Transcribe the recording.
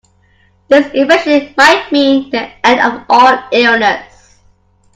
This invention might mean the end of all illness.